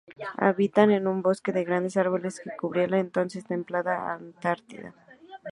Habitaba en un bosque de grandes árboles que cubría la entonces templada Antártida.